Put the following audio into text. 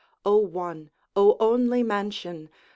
O one, O onely mansion!